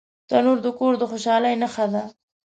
تنور د کور د خوشحالۍ نښه ده